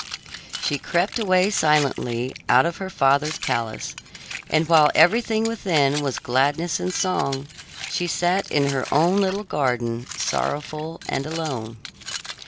She crept away silently out of her father's palace, and while everything within was gladness and song, she sat in her own little garden, sorrowful and alone.